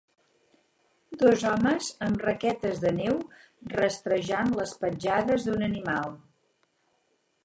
Dos homes amb raquetes de neu rastrejant les petjades d'un animal.